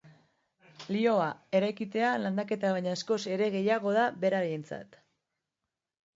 Lihoa ereitea landaketa baino askoz ere gehiago da berarentzat.